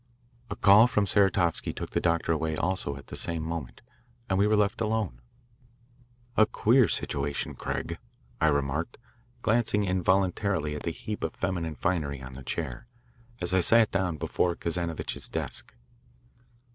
A call from Saratovsky took the doctor away also at the same moment, and we were left alone. "A queer situation, Craig," I remarked, glancing involuntarily at the heap of feminine finery on the chair, as I sat down before Kazanovitch's desk.